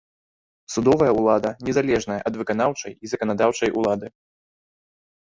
Судовая ўлада незалежная ад выканаўчай і заканадаўчай улады.